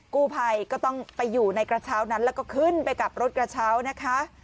กู้ภัยก็ต้องไปอยู่ในกระเช้านั้นแล้วก็ขึ้นไปกับรถกระเช้านะคะ